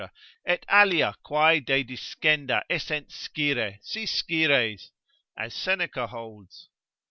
et alia quae dediscenda essent scire, si scires, as Seneca holds.